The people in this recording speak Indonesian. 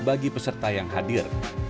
bagi peserta yang hadir